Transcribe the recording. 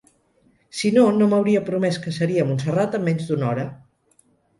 Si no, no m'hauria promès que seria a Montserrat en menys d'una hora.